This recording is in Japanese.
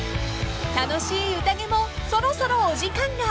［楽しい宴もそろそろお時間が］